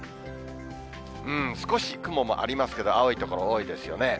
少し雲もありますけど、青い所多いですよね。